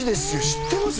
知ってます？